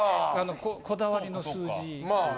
こだわりの数字。